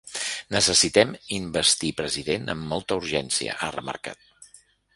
Necessitem investir president amb molta urgència, ha remarcat.